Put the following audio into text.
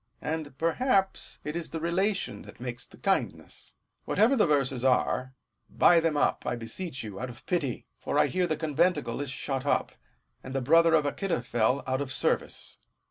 And perhaps it is the relation that makes the kindness. Whatever the verses are, buy them up, I beseech you, out of pity ; for I hear the conventicle is shut up, and the brother 1 of Achitophel out of service.